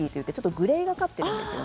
グレーがかっているんです。